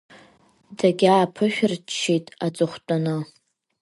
Дагьааԥышәырччеит аҵыхәтәаны.